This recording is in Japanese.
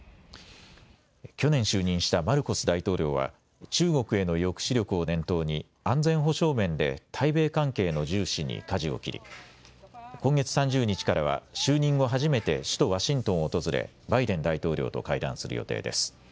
去年、就任したマルコス大統領は中国への抑止力を念頭に安全保障面で対米関係の重視にかじを切り今月３０日からは就任後初めて首都ワシントンを訪れバイデン大統領と会談する予定です。